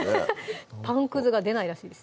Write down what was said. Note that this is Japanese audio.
パンくずが出ないらしいです